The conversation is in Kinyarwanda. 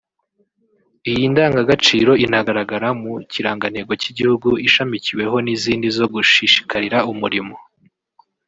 Iyi ndangagaciro inagaragara mu kirangantego cy’igihugu ishamikiweho n’izindi zo gushishikarira umurimo